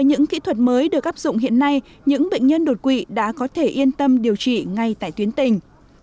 những bệnh nhân đột quỵ đã có thể yên tâm điều trị ngay tại tuyến tình